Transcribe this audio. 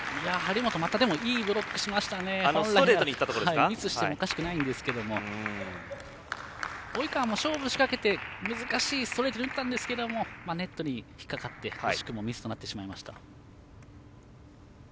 本来ミスしてもおかしくないんですけど及川も勝負仕掛けて難しいストレート打ったんですがネットに引っ掛かって、惜しくもミスとなってしまいました。